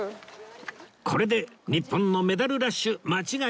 これで日本のメダルラッシュ間違いなし！ですね